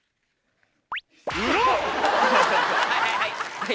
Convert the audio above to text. はいはいはい。